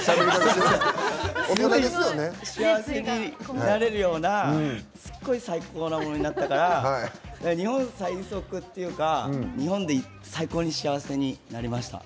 すごい幸せになれるようなすっごい最高なものになったから「日本最速！！」っていうか日本で最高に幸せになれました。